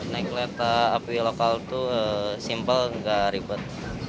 naik kereta api lokal itu simpel gak ribet